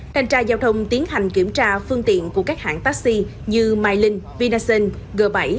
thanh tra giao thông tiến hành kiểm tra phương tiện của các hãng taxi như mylyn vinasense g bảy